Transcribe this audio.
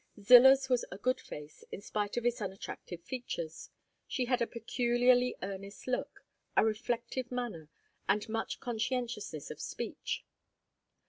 Zillah's was a good face, in spite of its unattractive features; she had a peculiarly earnest look, a reflective manner, and much conscientiousness of speech.